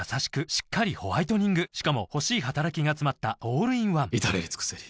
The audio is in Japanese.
しっかりホワイトニングしかも欲しい働きがつまったオールインワン至れり尽せり